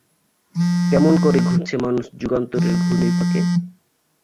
কেমন করে ঘুরছে মানুষ যুগান্তরের ঘূর্ণিপাকে?